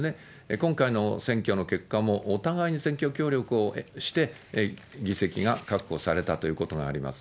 今回の選挙の結果も、お互いに選挙協力をして議席が確保されたということがあります。